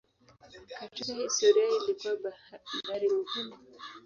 Katika historia ilikuwa bandari muhimu.